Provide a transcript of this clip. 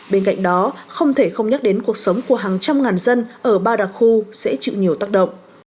bên cạnh đó không thể không nhắc đến cuộc sống của hàng trăm ngàn dân ở ba đặc khu sẽ chịu nhiều tác động